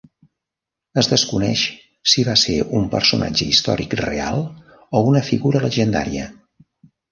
Es desconeix si va ser un personatge històric real o una figura llegendària.